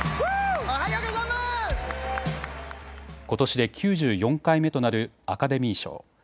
ことしで９４回目となるアカデミー賞。